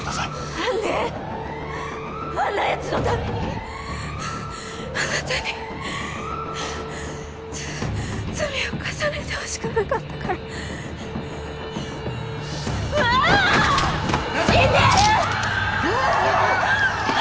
何であんなやつのためにあなたにつ罪を重ねてほしくなかったからうわっ死んでやる！